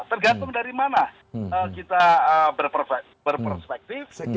tergantung dari mana kita berperspektif